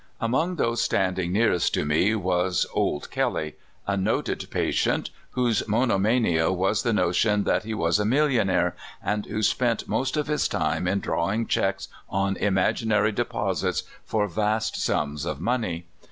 Among those standing nearest to me was " Old Kelley," a noted patient, whose monomania was the notion that he was a millionaire, and who spent most of his time in drawing checks on imaginary deposits for vast sums of money.